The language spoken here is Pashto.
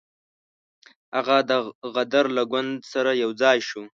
هغه د غدر له ګوند سره یو ځای شو.